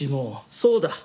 そうだ。